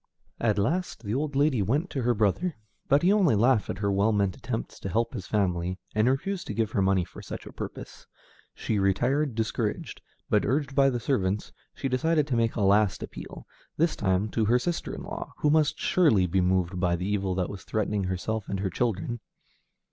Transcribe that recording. At last, the old lady went to her brother, but he only laughed at her well meant attempts to help his family, and refused to give her money for such a purpose. She retired discouraged, but, urged by the servants, she decided to make a last appeal, this time to her sister in law, who must surely be moved by the evil that was threatening herself and her children.